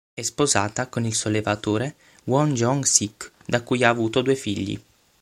È sposata con il sollevatore Won Jeong-sik da cui ha avuto due figli.